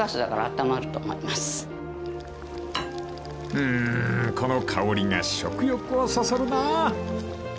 ［うーんこの香りが食欲をそそるなあ］